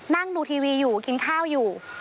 นั่งดูทีวีอยู่กินข้าวอยู่